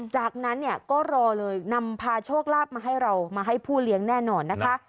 จากนั้นเนี่ยก็รอเลยนำพาโชคลาภมาให้เรามาให้ผู้เลี้ยงแน่นอนนะคะ